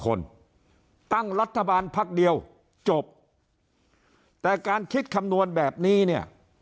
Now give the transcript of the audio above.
คนตั้งรัฐบาลพักเดียวจบแต่การคิดคำนวณแบบนี้เนี่ย